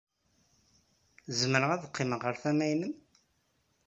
Zemreɣ ad qqimeɣ ɣer tama-nnem?